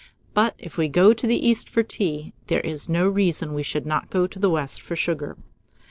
But if we go to the East for tea, there is no reason why we should not go to the West for sugar.